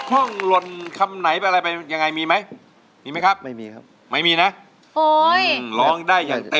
ร้องได้อย่างเต็มเสียงเต็มพลังดีมาก